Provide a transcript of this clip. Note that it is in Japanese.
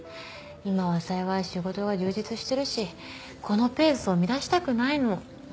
今は幸い仕事が充実してるしこのペースを乱したくないの。